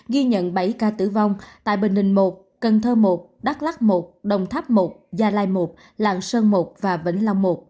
ghi nhận bảy ca tử vong tại bình định một cần thơ một đắk lắc một đồng tháp một gia lai một lạng sơn một và vĩnh long một